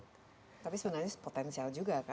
tapi sebenarnya potensial juga